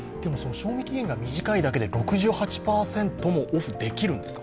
賞味期限が短いだけで６８％もオフできるんですか？